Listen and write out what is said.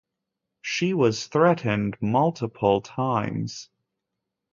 She was threatened multiple times.